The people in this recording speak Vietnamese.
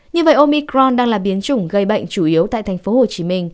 như vậy omicron đang là biến chủng gây bệnh chủ yếu tại tp hcm